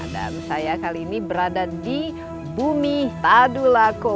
dan saya kali ini berada di bumi tadulako